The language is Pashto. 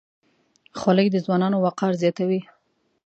خولۍ د ځوانانو وقار زیاتوي.